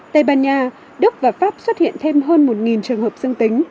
tây ban nha đức và pháp xuất hiện thêm hơn một trường hợp dương tính